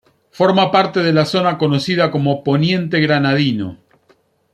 Forma parte de la zona conocida como Poniente Granadino.